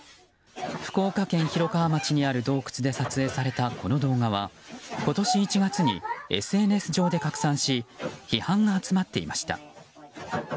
福岡県広川町にある洞窟で撮影された、この動画は今年１月にＳＮＳ上で拡散し批判が集まっていました。